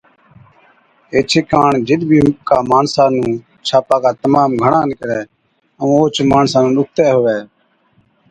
ايڇي ڪاڻ جِڏ بِي ڪا ماڻسا نُون ڇاپاڪا تمام گھڻا نِڪرَي ائُون اوهچ ماڻسا نُون ڏُکتَي هُوَي